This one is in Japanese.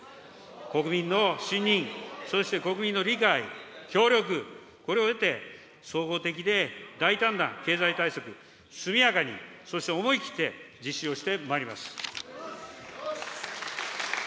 国民の信任、そして国民の理解、協力、これを得て、総合的で大胆な経済対策、速やかにそして思い切って実施をしてまいります。